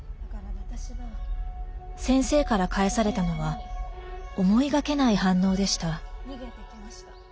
先生から返されたのは思いがけない反応でした。